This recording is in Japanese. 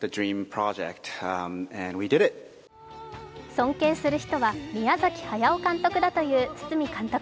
尊敬する人は宮崎駿監督だという堤監督。